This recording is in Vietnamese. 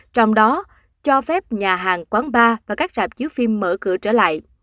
trong đó cho phép nhà hàng quán bar và các sạp chiếu phim mở cửa trở lại